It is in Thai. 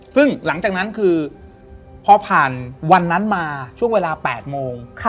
ซึ่งหลังจากนั้นคือพอผ่านวันนั้นมาช่วงเวลา๘โมง